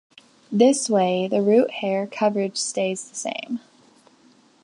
This way, the root hair coverage stays the same.